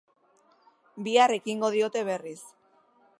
Bihar ekingo diote berriz.